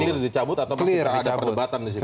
clear dicabut atau masih ada perdebatan disitu